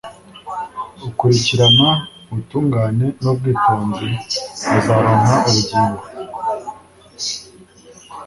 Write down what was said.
ukurikirana ubutungane n'ubwitonzi azaronka ubugingo